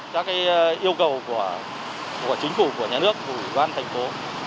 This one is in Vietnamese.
các yêu cầu của chính phủ của nhà nước của quán thành phố